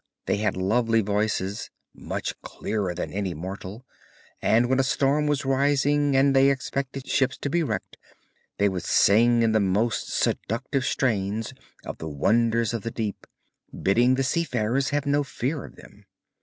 They had lovely voices, much clearer than any mortal, and when a storm was rising, and they expected ships to be wrecked, they would sing in the most seductive strains of the wonders of the deep, bidding the seafarers have no fear of them.